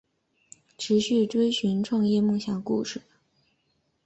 持续追寻创业梦想的故事